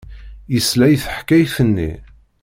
Yesla i teḥkayt-nni.